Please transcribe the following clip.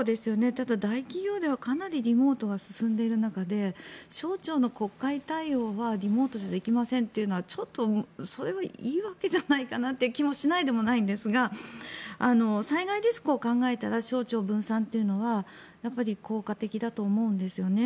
ただ、大企業ではかなりリモートが進んでいる中で省庁の国会対応はリモートじゃできませんというのはいいわけじゃないかなという気もしないでもないんですが災害リスクを考えたら省庁分散というのはやっぱり効果的だと思うんですよね。